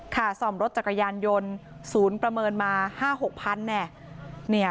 ค่าซ่อมรถจักรยานยนต์ศูนย์ประเมินมา๕๖พันธุ์